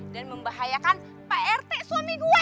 dan membahayakan prt suami gue